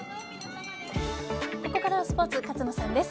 ここからはスポーツ勝野さんです。